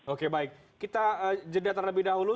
oke baik kita jeda terlebih dahulu